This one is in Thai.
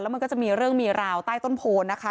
มันก็จะมีเรื่องมีราวใต้ต้นโพนนะคะ